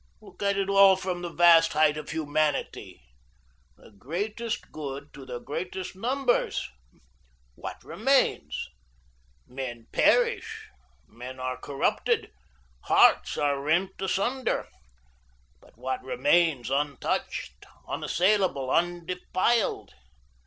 Look at it all from the vast height of humanity 'the greatest good to the greatest numbers.' What remains? Men perish, men are corrupted, hearts are rent asunder, but what remains untouched, unassailable, undefiled?